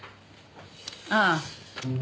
ああ。